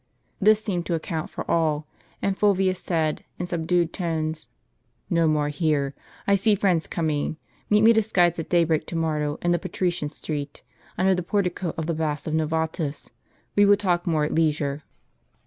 This seemed to account for all; and Fulvius said, in subdued tones, "No more here; I see friends coming. Meet me disguised at daybreak to morrow in the Patrician Street,* under the portico of the Baths of Novatus. We will talk more at leisure."